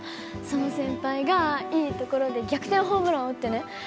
その先輩がいいところで逆転ホームランを打ってね